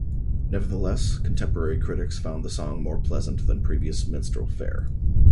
Nevertheless, contemporary critics found the song more pleasant than previous minstrel fare.